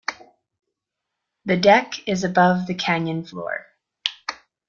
The deck is above the canyon floor.